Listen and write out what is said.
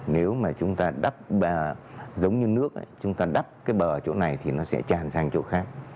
nếu mà chúng ta đắp giống như nước chúng ta đắp cái bờ chỗ này thì nó sẽ tràn sang chỗ khác